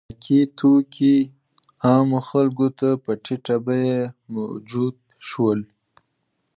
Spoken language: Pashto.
• خوراکي توکي عامو خلکو ته په ټیټه بیه موجود شول.